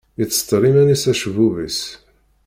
Yettseṭṭil iman-is acebbub-is.